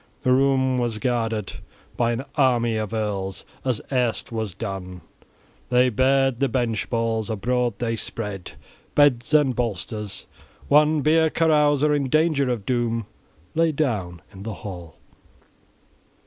The room was guarded by an army of earls, as erst was done. They bared the bench boards; abroad they spread beds and bolsters. One beer carouser in danger of doom lay down in the hall.